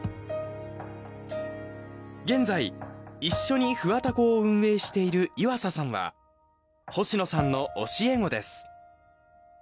現在一緒にふわたこを運営している岩佐さんは星野さんの教え子です。